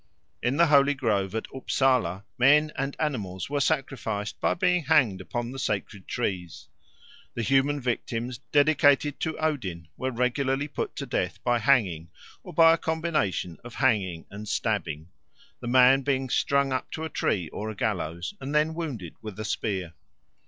In the holy grove at Upsala men and animals were sacrificed by being hanged upon the sacred trees. The human victims dedicated to Odin were regularly put to death by hanging or by a combination of hanging and stabbing, the man being strung up to a tree or a gallows and then wounded with a spear.